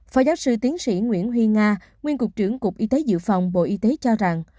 phó giáo sư tiến sĩ nguyễn huy nga nguyên cục trưởng cục y tế dự phòng bộ y tế cho rằng